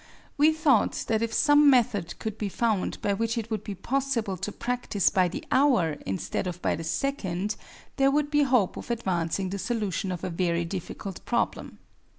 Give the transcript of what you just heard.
We thought that if some method could be found by which it would be possible to practice by the hour instead of by the second there would be hope of advancing the solution of a very difficult problem.